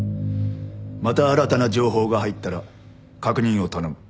また新たな情報が入ったら確認を頼む。